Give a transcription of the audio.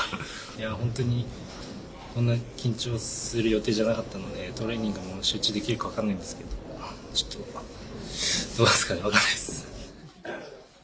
本当にこんな緊張する予定じゃなかったので、トレーニングに集中できるか分からないんですけど、ちょっと、どうなんですかね、分かんないです。